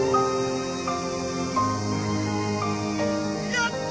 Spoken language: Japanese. やった！